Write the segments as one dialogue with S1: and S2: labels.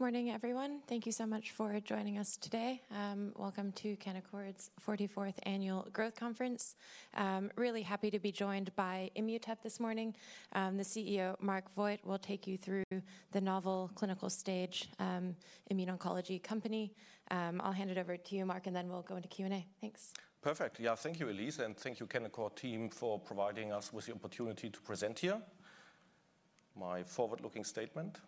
S1: Good morning, everyone. Thank you so much for joining us today. Welcome to Canaccord's 44th Annual Growth Conference. Really happy to be joined by Immutep this morning. The CEO, Marc Voigt, will take you through the novel clinical stage immuno-oncology company. I'll hand it over to you, Marc, and then we'll go into Q&A. Thanks.
S2: Perfect. Yeah. Thank you, Elyse, and thank you, Canaccord Genuity team, for providing us with the opportunity to present here. My forward-looking statement.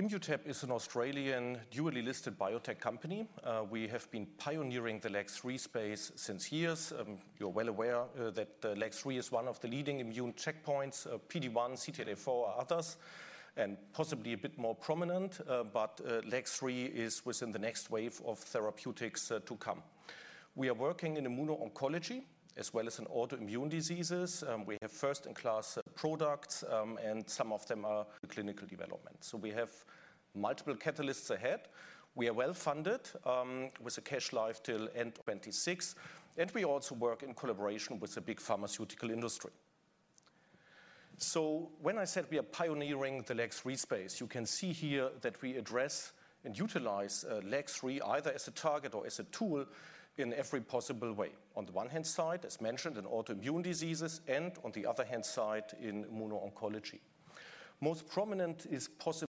S2: Immutep is an Australian dually listed biotech company. We have been pioneering the LAG-3 space since years. You're well aware that the LAG-3 is one of the leading immune checkpoints. PD-1, CTLA-4 are others, and possibly a bit more prominent, but LAG-3 is within the next wave of therapeutics to come. We are working in immuno-oncology as well as in autoimmune diseases, and we have first-in-class products, and some of them are in clinical development. So we have multiple catalysts ahead. We are well-funded, with a cash life till end 2026, and we also work in collaboration with the big pharmaceutical industry. So when I said we are pioneering the LAG-3 space, you can see here that we address and utilize LAG-3 either as a target or as a tool in every possible way. On the one-hand side, as mentioned, in autoimmune diseases, and on the other-hand side, in immuno-oncology. Most prominent is possibly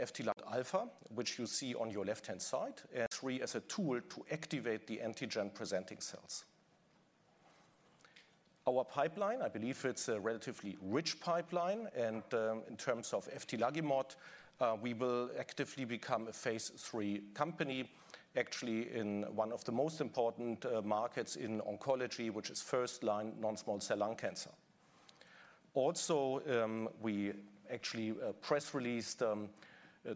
S2: eftilagimod alpha, which you see on your left-hand side, and efti, as a tool to activate the antigen-presenting cells. Our pipeline, I believe it's a relatively rich pipeline, and in terms of eftilagimod, we will actively become a phase III company, actually in one of the most important markets in oncology, which is first-line non-small cell lung cancer. Also, we actually press released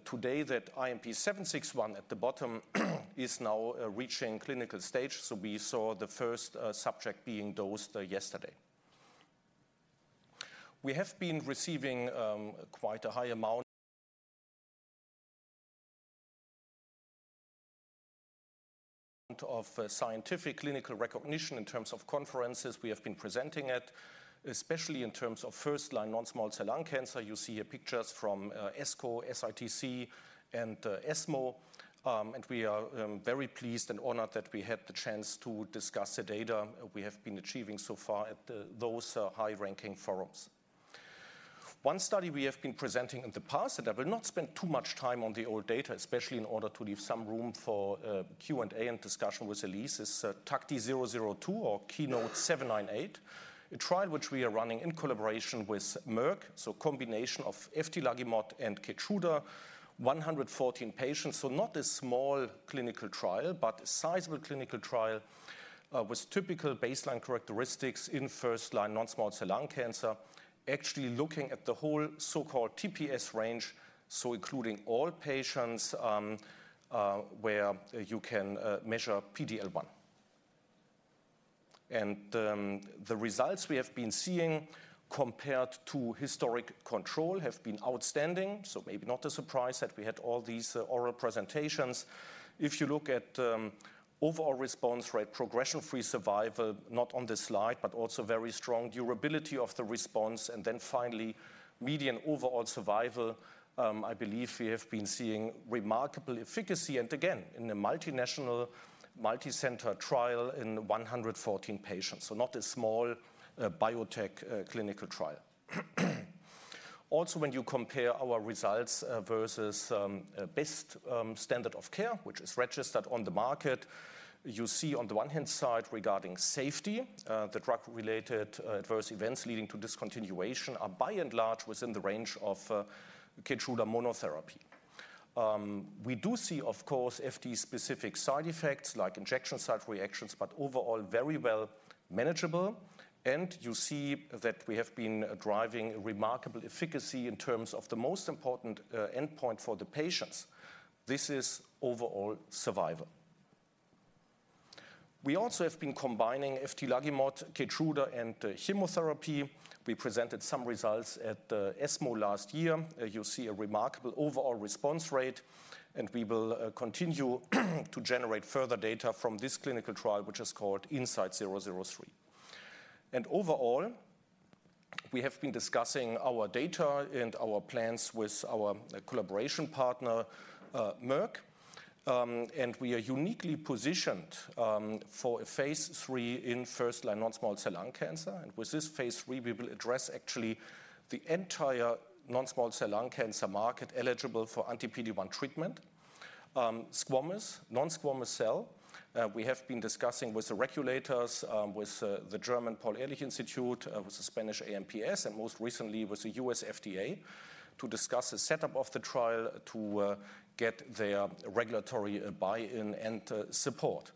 S2: today that IMP761 at the bottom is now reaching clinical stage. So we saw the first subject being dosed yesterday. We have been receiving quite a high amount of scientific clinical recognition in terms of conferences we have been presenting at, especially in terms of first-line non-small cell lung cancer. You see here pictures from ASCO, SITC, and ESMO. We are very pleased and honored that we had the chance to discuss the data we have been achieving so far at those high-ranking forums. One study we have been presenting in the past, and I will not spend too much time on the old data, especially in order to leave some room for Q&A and discussion with Elyse, is TACTI-002 or KEYNOTE-798, a trial which we are running in collaboration with Merck, so combination of eftilagimod and KEYTRUDA, 114 patients. So not a small clinical trial, but a sizable clinical trial, with typical baseline characteristics in first-line non-small cell lung cancer, actually looking at the whole so-called TPS range, so including all patients, where you can measure PD-L1. And, the results we have been seeing compared to historic control have been outstanding, so maybe not a surprise that we had all these, oral presentations. If you look at, overall response rate, progression-free survival, not on this slide, but also very strong durability of the response, and then finally, median overall survival, I believe we have been seeing remarkable efficacy, and again, in a multinational, multicenter trial in 114 patients, so not a small, biotech, clinical trial. Also, when you compare our results, versus best standard of care, which is registered on the market, you see on the one-hand side, regarding safety, the drug-related adverse events leading to discontinuation are by and large within the range of KEYTRUDA monotherapy. We do see, of course, efti-specific side effects, like injection site reactions, but overall, very well manageable. And you see that we have been driving remarkable efficacy in terms of the most important endpoint for the patients. This is overall survival. We also have been combining eftilagimod, KEYTRUDA, and chemotherapy. We presented some results at ESMO last year. You see a remarkable overall response rate, and we will continue to generate further data from this clinical trial, which is called INSIGHT-003. Overall, we have been discussing our data and our plans with our collaboration partner, Merck, and we are uniquely positioned for a phase III in first-line non-small cell lung cancer, and with this phase III, we will address actually the entire non-small cell lung cancer market eligible for anti-PD-1 treatment. Squamous, non-squamous cell, we have been discussing with the regulators, with the German Paul-Ehrlich-Institut, with the Spanish AEMPS, and most recently with the U.S. FDA, to discuss the setup of the trial to get their regulatory buy-in and support.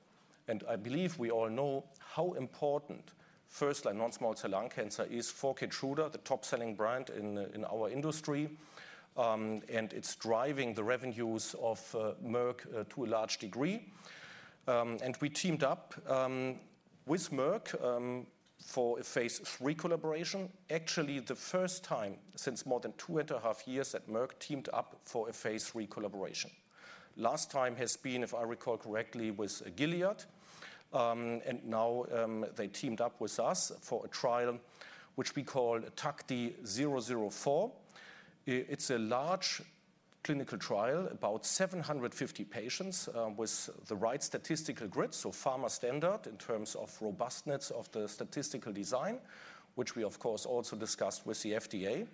S2: I believe we all know how important first-line non-small cell lung cancer is for KEYTRUDA, the top-selling brand in our industry, and it's driving the revenues of Merck to a large degree. We teamed up with Merck for a phase III collaboration. Actually, the first time since more than 2.5 years that Merck teamed up for a phase III collaboration. Last time has been, if I recall correctly, with Gilead, and now, they teamed up with us for a trial, which we call TACTI-004. It's a large clinical trial, about 750 patients, with the right statistical grid, so pharma standard in terms of robustness of the statistical design, which we, of course, also discussed with the FDA.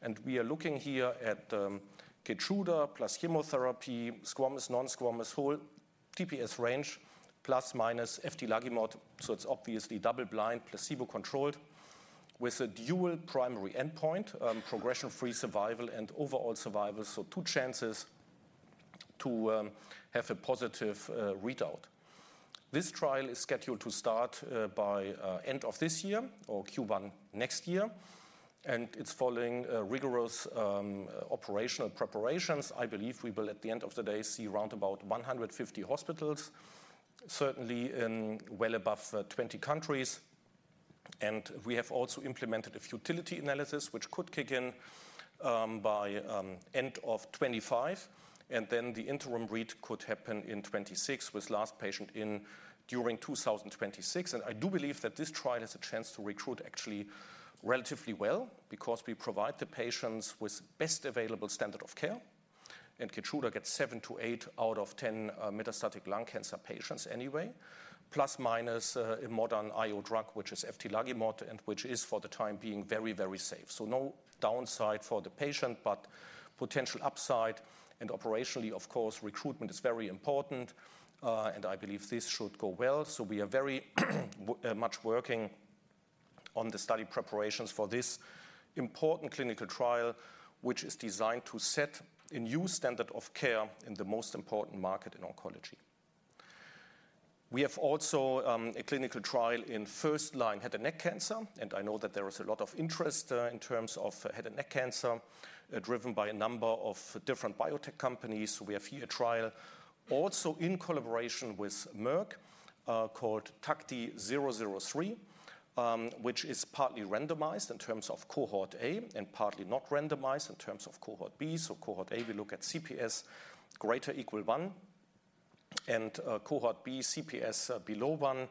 S2: And we are looking here at, KEYTRUDA plus chemotherapy, squamous, non-squamous, whole TPS range, ± eftilagimod. So it's obviously double-blind, placebo-controlled, with a dual primary endpoint, progression-free survival and overall survival, so two chances to, have a positive, readout. This trial is scheduled to start by end of this year or Q1 next year, and it's following rigorous operational preparations. I believe we will, at the end of the day, see round about 150 hospitals, certainly in well above 20 countries. And we have also implemented a futility analysis, which could kick in by end of 2025, and then the interim read could happen in 2026, with last patient in during 2026. And I do believe that this trial has a chance to recruit actually relatively well because we provide the patients with best available standard of care, and KEYTRUDA gets 7-8 out of 10 metastatic lung cancer patients anyway, ± a modern IO drug, which is eftilagimod, and which is, for the time being, very, very safe. So no downside for the patient, but potential upside, and operationally, of course, recruitment is very important, and I believe this should go well. So we are very much working on the study preparations for this important clinical trial, which is designed to set a new standard of care in the most important market in oncology. We have also a clinical trial in first-line head and neck cancer, and I know that there is a lot of interest in terms of head and neck cancer, driven by a number of different biotech companies. We have here a trial also in collaboration with Merck, called TACTI-003, which is partly randomized in terms of cohort A and partly not randomized in terms of cohort B. So cohort A, we look at CPS ≥ 1, and cohort B, CPS < 1,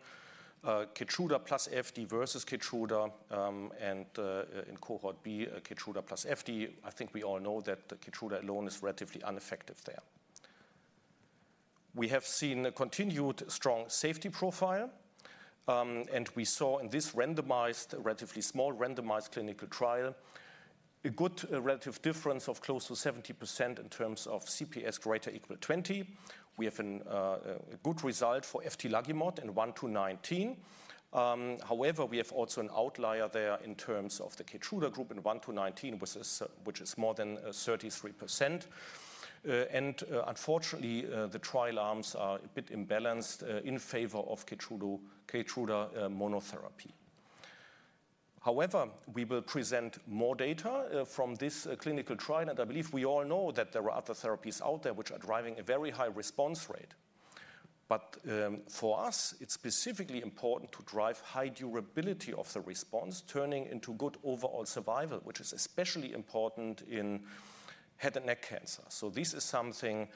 S2: KEYTRUDA plus efti versus KEYTRUDA, and in cohort B, KEYTRUDA plus efti. I think we all know that the KEYTRUDA alone is relatively ineffective there. We have seen a continued strong safety profile, and we saw in this randomized, relatively small randomized clinical trial, a good relative difference of close to 70% in terms of CPS ≥ 20. However, we will present more data from this clinical trial, and I believe we all know that there are other therapies out there which are driving a very high response rate. But, for us, it's specifically important to drive high durability of the response, turning into good overall survival, which is especially important in head and neck cancer. So this is something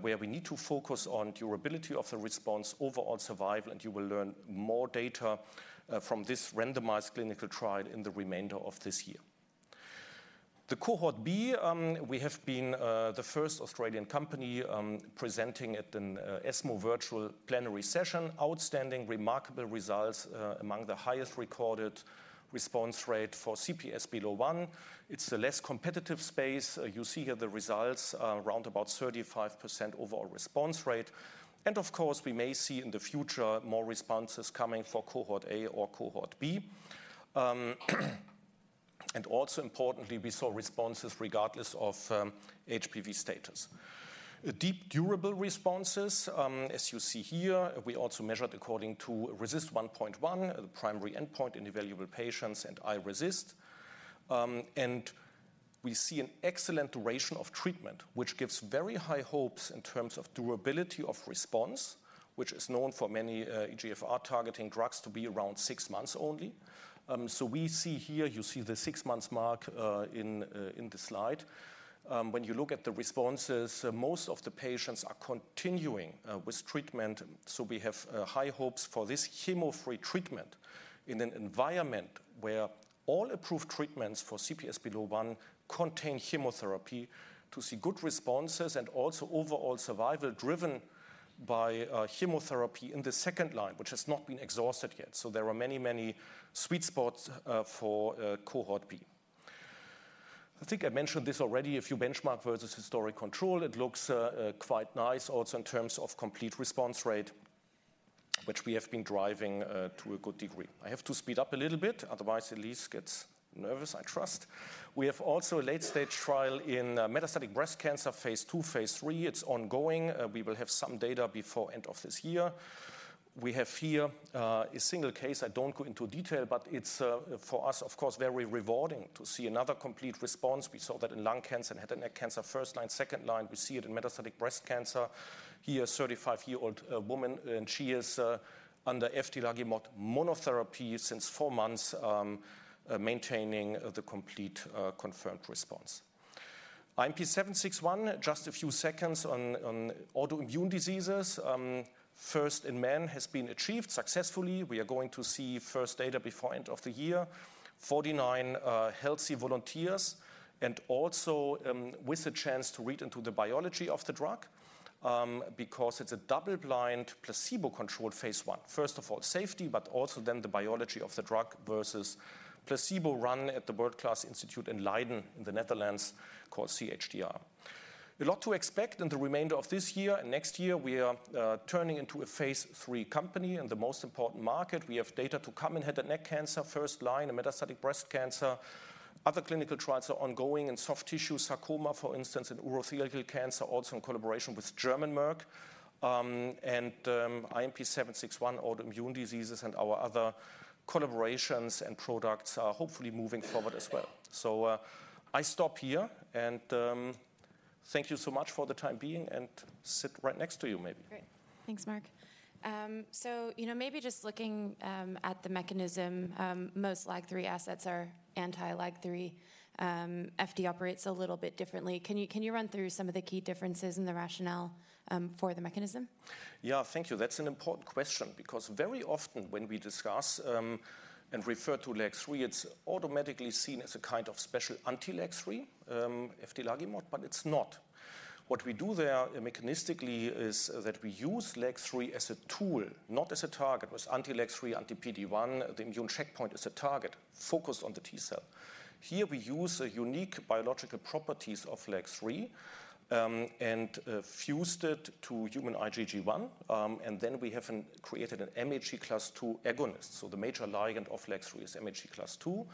S2: where we need to focus on durability of the response, overall survival, and you will learn more data from this randomized clinical trial in the remainder of this year. The Cohort B, we have been the first Australian company presenting at an ESMO Virtual Plenary Session. Outstanding, remarkable results, among the highest recorded response rate for CPS below 1. It's a less competitive space. You see here the results, around about 35% overall response rate. And of course, we may see in the future more responses coming for Cohort A or Cohort B. And also importantly, we saw responses regardless of HPV status. Deep durable responses, as you see here, we also measured according to RECIST 1.1, the primary endpoint in evaluable patients, and iRECIST. And we see an excellent duration of treatment, which gives very high hopes in terms of durability of response, which is known for many EGFR-targeting drugs to be around 6 months only. So we see here, you see the 6 months mark, in the slide. When you look at the responses, most of the patients are continuing with treatment, so we have high hopes for this chemo-free treatment in an environment where all approved treatments for CPS below 1 contain chemotherapy to see good responses and also overall survival driven by chemotherapy in the second line, which has not been exhausted yet. So there are many, many sweet spots for cohort B. I think I mentioned this already. If you benchmark versus historic control, it looks quite nice also in terms of complete response rate, which we have been driving to a good degree. I have to speed up a little bit, otherwise Elyse gets nervous, I trust. We have also a late-stage trial in metastatic breast cancer, phase 2, phase 3. It's ongoing. We will have some data before end of this year. We have here a single case. I don't go into detail, but it's for us, of course, very rewarding to see another complete response. We saw that in lung cancer and head and neck cancer, first line, second line. We see it in metastatic breast cancer. Here, a 35-year-old woman, and she is under eftilagimod monotherapy since 4 months, maintaining the complete confirmed response. IMP761, just a few seconds on autoimmune diseases. First in men has been achieved successfully. We are going to see first data before end of the year. 49 healthy volunteers, and also with the chance to read into the biology of the drug, because it's a double-blind, placebo-controlled phase one. First of all, safety, but also then the biology of the drug versus placebo run at the world-class institute in Leiden, in the Netherlands, called CHDR. A lot to expect in the remainder of this year and next year. We are turning into a phase three company in the most important market. We have data to come in head and neck cancer, first line, and metastatic breast cancer. Other clinical trials are ongoing in soft tissue sarcoma, for instance, in urothelial cancer, also in collaboration with German Merck. IMP761, autoimmune diseases, and our other collaborations and products are hopefully moving forward as well. So, I stop here, and thank you so much for the time being, and sit right next to you maybe.
S1: Great. Thanks, Marc. So, you know, maybe just looking at the mechanism, most LAG-3 assets are anti-LAG-3. Efti operates a little bit differently. Can you, can you run through some of the key differences in the rationale for the mechanism?
S2: Yeah, thank you. That's an important question because very often when we discuss and refer to LAG-3, it's automatically seen as a kind of special anti-LAG-3, eftilagimod, but it's not. What we do there mechanistically is that we use LAG-3 as a tool, not as a target. With anti-LAG-3, anti-PD-1, the immune checkpoint is a target focused on the T cell. Here, we use the unique biological properties of LAG-3 and fused it to human IgG1 and then we have created an MHC Class II agonist. So the major ligand of LAG-3 is MHC Class II,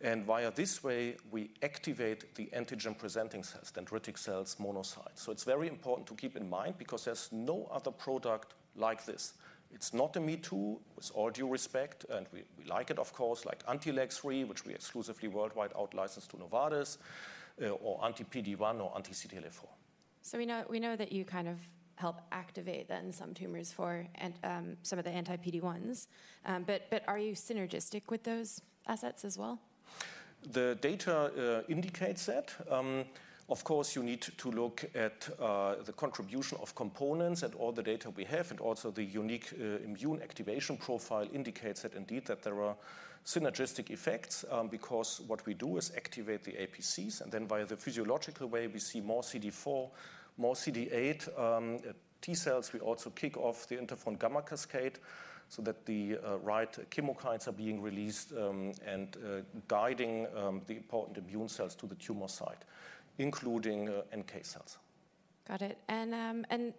S2: and via this way, we activate the antigen-presenting cells, dendritic cells, monocytes. So it's very important to keep in mind because there's no other product like this. It's not a me-too, with all due respect, and we like it, of course, like Anti-LAG-3, which we exclusively worldwide out licensed to Novartis, or anti-PD-1, or anti-CTLA-4.
S1: So we know that you kind of help activate then some tumors for, and some of the anti-PD-1s. But are you synergistic with those assets as well?...
S2: the data indicates that. Of course, you need to look at the contribution of components and all the data we have, and also the unique immune activation profile indicates that indeed that there are synergistic effects. Because what we do is activate the APCs, and then via the physiological way, we see more CD4, more CD8 T cells. We also kick off the interferon gamma cascade so that the right chemokines are being released, and guiding the important immune cells to the tumor site, including NK cells.
S1: Got it. And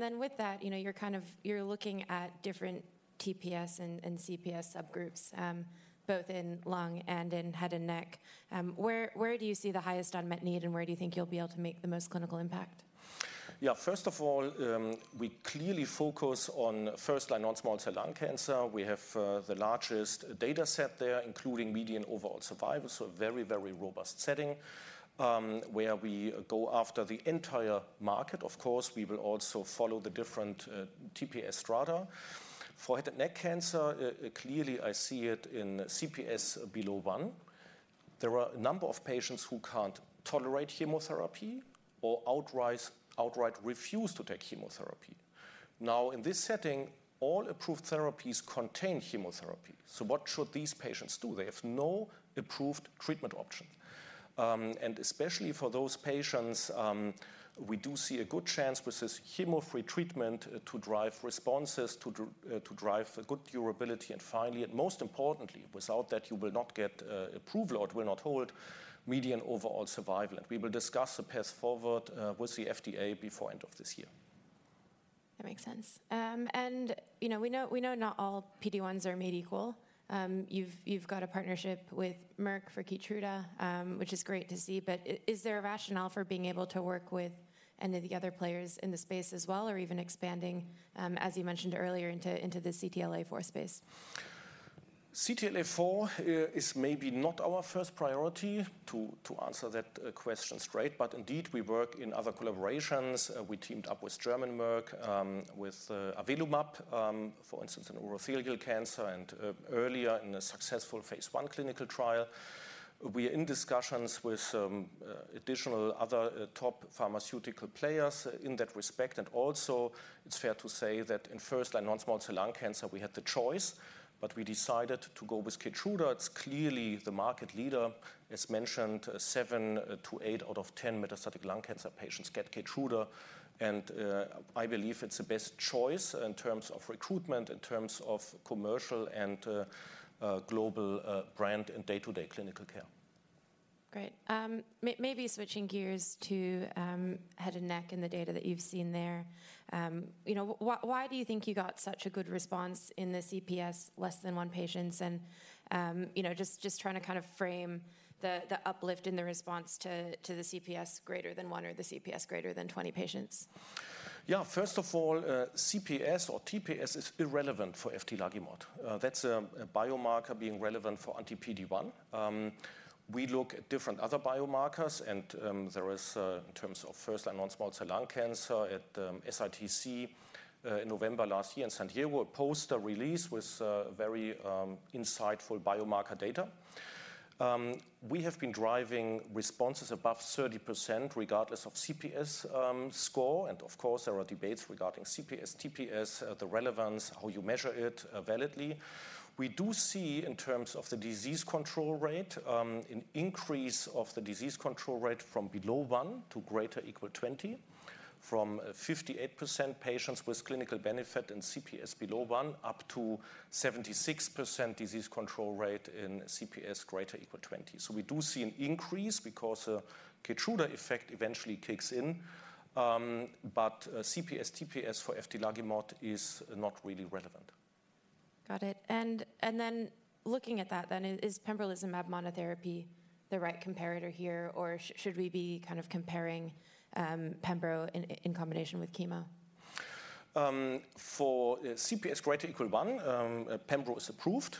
S1: then with that, you know, you're kind of looking at different TPS and CPS subgroups, both in lung and in head and neck. Where do you see the highest unmet need, and where do you think you'll be able to make the most clinical impact?
S2: Yeah, first of all, we clearly focus on first-line non-small cell lung cancer. We have the largest dataset there, including median overall survival. So a very, very robust setting, where we go after the entire market. Of course, we will also follow the different TPS strata. For head and neck cancer, clearly, I see it in CPS below one. There are a number of patients who can't tolerate chemotherapy or outright, outright refuse to take chemotherapy. Now, in this setting, all approved therapies contain chemotherapy, so what should these patients do? They have no approved treatment option. Especially for those patients, we do see a good chance with this chemo-free treatment to drive responses, to drive a good durability, and finally, and most importantly, without that, you will not get approval or it will not hold median overall survival. We will discuss the path forward with the FDA before end of this year.
S1: That makes sense. And, you know, we know, we know not all PD-1s are made equal. You've, you've got a partnership with Merck for Keytruda, which is great to see, but is there a rationale for being able to work with any of the other players in the space as well, or even expanding, as you mentioned earlier, into, into the CTLA-4 space?
S2: CTLA-4 is maybe not our first priority, to answer that question straight. But indeed, we work in other collaborations. We teamed up with German Merck, with Avelumab, for instance, in urothelial cancer and earlier in a successful phase I clinical trial. We are in discussions with some additional other top pharmaceutical players in that respect. And also, it's fair to say that in first-line non-small cell lung cancer, we had the choice, but we decided to go with Keytruda. It's clearly the market leader. As mentioned, 7-8 out of 10 metastatic lung cancer patients get Keytruda, and I believe it's the best choice in terms of recruitment, in terms of commercial and global brand and day-to-day clinical care.
S1: Great. Maybe switching gears to head and neck and the data that you've seen there. You know, why do you think you got such a good response in the CPS less than 1 patients and, you know, just trying to kind of frame the uplift in the response to the CPS greater than 1 or the CPS greater than 20 patients.
S2: Yeah, first of all, CPS or TPS is irrelevant for eftilagimod. That's a biomarker being relevant for anti-PD-1. We look at different other biomarkers, and there is, in terms of first-line non-small cell lung cancer at SITC, in November last year in San Diego, a poster release with very insightful biomarker data. We have been driving responses above 30%, regardless of CPS score, and of course, there are debates regarding CPS, TPS, the relevance, how you measure it, validly. We do see, in terms of the disease control rate, an increase of the disease control rate from below 1 to greater equal 20, from 58% patients with clinical benefit and CPS below 1, up to 76% disease control rate in CPS greater equal 20. So we do see an increase because a Keytruda effect eventually kicks in. CPS, TPS for eftilagimod is not really relevant.
S1: Got it. Then looking at that, is pembrolizumab monotherapy the right comparator here, or should we be kind of comparing pembro in combination with chemo?
S2: CPS greater than or equal to one, pembro is approved.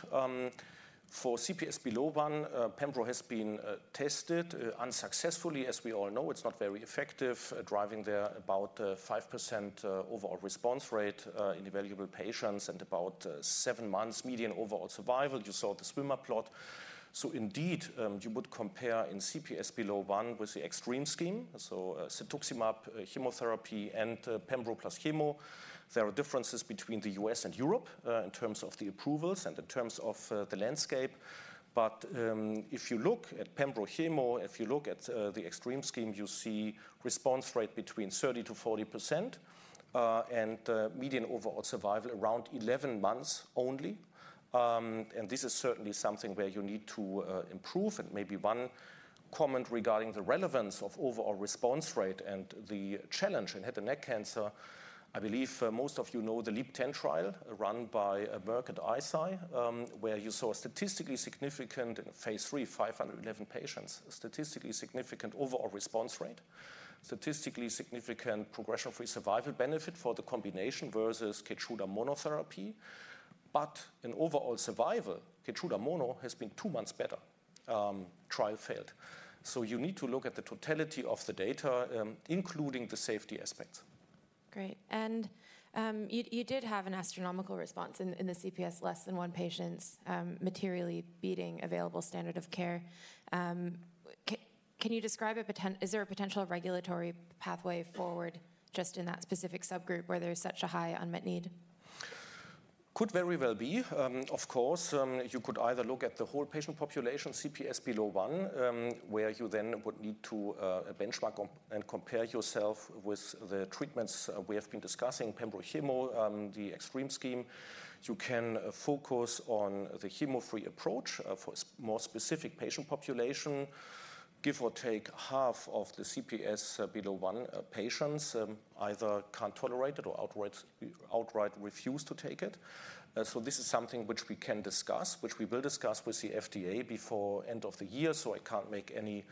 S2: For CPS below one, pembro has been tested unsuccessfully. As we all know, it's not very effective, delivering about 5% overall response rate in evaluable patients and about 7 months median overall survival. You saw the swimmer plot. So indeed, you would compare in CPS below one with the EXTREME scheme, so cetuximab, chemotherapy, and pembro plus chemo. There are differences between the U.S. and Europe in terms of the approvals and in terms of the landscape. But if you look at pembro chemo, if you look at the EXTREME scheme, you see response rate between 30%-40%, and median overall survival around 11 months only. And this is certainly something where you need to improve. Maybe one comment regarding the relevance of overall response rate and the challenge in head and neck cancer. I believe most of you know the LEAP-010 trial run by Merck and Eisai, where you saw a statistically significant phase III, 511 patients, a statistically significant overall response rate, statistically significant progression-free survival benefit for the combination versus Keytruda monotherapy. But in overall survival, Keytruda mono has been 2 months better. Trial failed. So you need to look at the totality of the data, including the safety aspects....
S1: Great. And you did have an astronomical response in the CPS less than 1 patients materially beating available standard of care. Is there a potential regulatory pathway forward just in that specific subgroup where there's such a high unmet need?
S2: Could very well be. Of course, you could either look at the whole patient population, CPS below one, where you then would need to benchmark and compare yourself with the treatments we have been discussing, pembro chemo, the EXTREME scheme. You can focus on the chemo-free approach, for more specific patient population. Give or take, half of the CPS below one patients, either can't tolerate it or outright refuse to take it. So this is something which we can discuss, which we will discuss with the FDA before end of the year, so I can't make any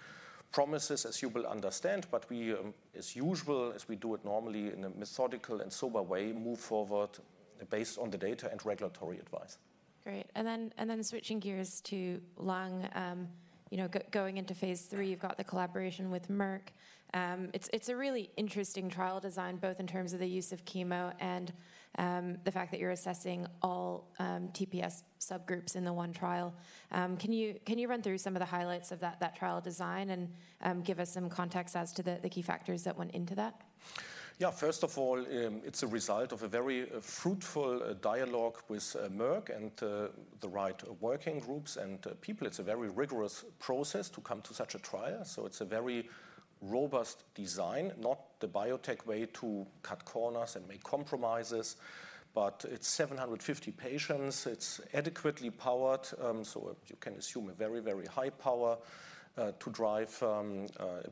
S2: promises, as you will understand. But we, as usual, as we do it normally in a methodical and sober way, move forward based on the data and regulatory advice.
S1: Great. And then switching gears to lung. You know, going into phase 3, you've got the collaboration with Merck. It's a really interesting trial design, both in terms of the use of chemo and the fact that you're assessing all TPS subgroups in the one trial. Can you run through some of the highlights of that trial design and give us some context as to the key factors that went into that?
S2: Yeah. First of all, it's a result of a very fruitful dialogue with Merck and the right working groups and people. It's a very rigorous process to come to such a trial, so it's a very robust design, not the biotech way to cut corners and make compromises, but it's 750 patients. It's adequately powered, so you can assume a very, very high power to drive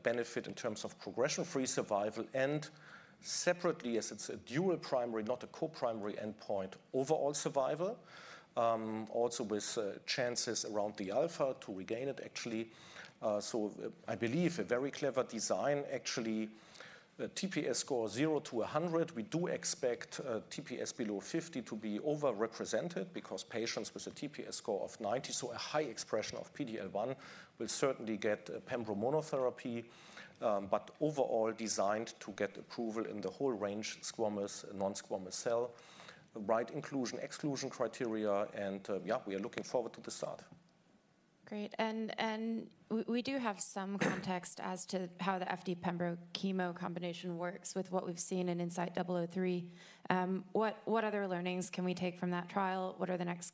S2: benefit in terms of progression-free survival and separately, as it's a dual primary, not a co-primary endpoint, overall survival. Also with chances around the alpha to regain it, actually. So I believe a very clever design. Actually, a TPS score 0-100, we do expect TPS below 50 to be over-represented because patients with a TPS score of 90, so a high expression of PD-L1, will certainly get pembro monotherapy. But overall designed to get approval in the whole range, squamous and non-squamous cell. The right inclusion, exclusion criteria, and yeah, we are looking forward to the start.
S1: Great. We do have some context as to how the efti pembro chemo combination works with what we've seen in INSIGHT-003. What other learnings can we take from that trial? What are the next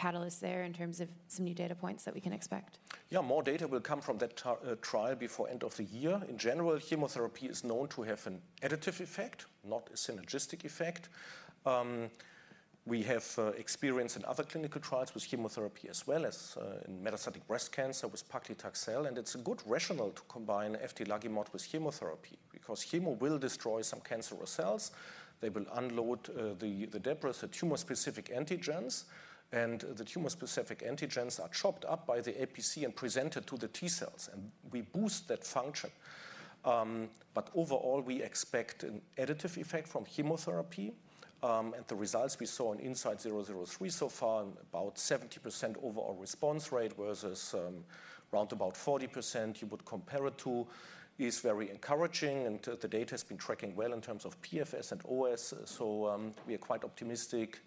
S1: catalysts there in terms of some new data points that we can expect?
S2: Yeah, more data will come from that trial before end of the year. In general, chemotherapy is known to have an additive effect, not a synergistic effect. We have experience in other clinical trials with chemotherapy as well as in metastatic breast cancer with paclitaxel, and it's a good rationale to combine eftilagimod with chemotherapy because chemo will destroy some cancerous cells. They will unload the debulked tumor-specific antigens, and the tumor-specific antigens are chopped up by the APC and presented to the T cells, and we boost that function. But overall, we expect an additive effect from chemotherapy. And the results we saw on INSIGHT-003 so far, and about 70% overall response rate versus, round about 40% you would compare it to, is very encouraging, and the data has been tracking well in terms of PFS and OS. So, we are quite optimistic,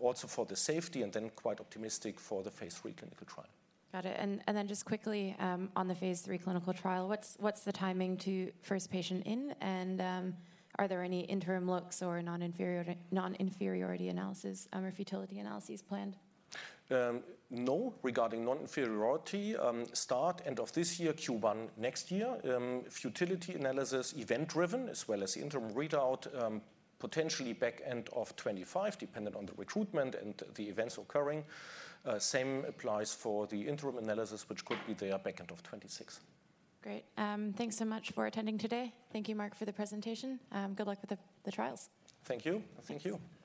S2: also for the safety, and then quite optimistic for the phase three clinical trial.
S1: Got it. And then just quickly, on the phase 3 clinical trial, what's the timing to first patient in? And, are there any interim looks or non-inferiority analysis, or futility analyses planned?
S2: No, regarding non-inferiority. Start, end of this year, Q1 next year. Futility analysis, event-driven, as well as the interim readout, potentially back end of 2025, dependent on the recruitment and the events occurring. Same applies for the interim analysis, which could be there back end of 2026.
S1: Great. Thanks so much for attending today. Thank you, Marc, for the presentation. Good luck with the trials.
S2: Thank you. Thank you.